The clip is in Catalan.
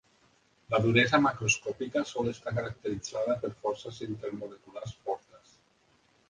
La duresa macroscòpica sol estar caracteritzada per forces intermoleculars fortes.